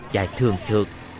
dài thường thược